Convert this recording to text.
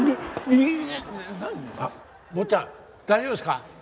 坊ちゃん大丈夫ですか？